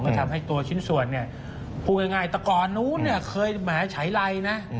ก็ทำให้ตัวชิ้นส่วนพูดง่ายแต่ก่อนนู้นเคยแหมใช้ไลน์นะ